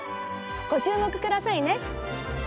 ご注目くださいね！